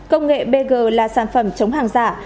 công nghệ bg là sản phẩm chống hàng giả